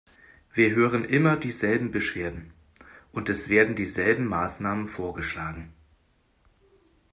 Wir hören immer dieselben Beschwerden und es werden dieselben Maßnahmen vorgeschlagen.